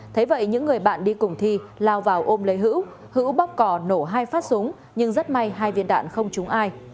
thế vậy những người bạn đi cùng thi lao vào ôm lấy hữu hữu bóc cỏ nổ hai phát súng nhưng rất may hai viên đạn không trúng ai